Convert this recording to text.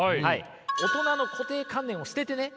大人の固定観念を捨ててね